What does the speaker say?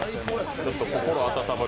ちょっと心温まる。